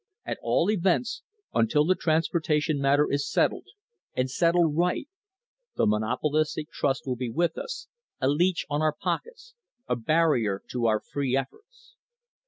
At all events, until the transportation matter is settled, and settled right, the monopolistic trust will be with us, a leech on our pockets, a barrier to our free efforts.